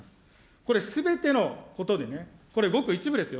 これすべてのことで、これ、ごく一部ですよ。